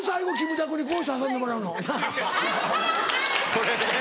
これで？